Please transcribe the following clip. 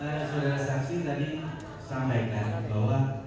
oke silahkan silahkan boleh